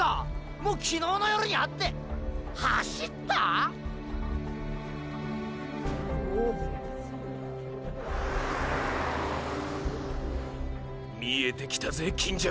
もう昨日の夜に会って走ったぁ⁉見えてきたぜ金城！